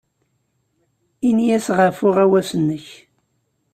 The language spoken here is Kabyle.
Ini-as ɣef uɣawas-nnek.